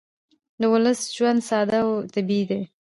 د ولس ژوند ساده او طبیعي دی